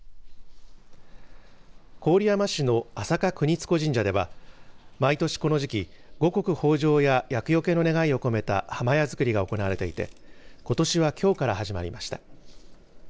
郡山市の安積国造神社では毎年この時期、五穀豊じょうや厄よけの願いを込めた破魔矢づくりが行われていてことしはきょうから始まりました。